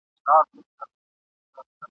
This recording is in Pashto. هم په غره هم په ځنګلونو کي غښتلی ..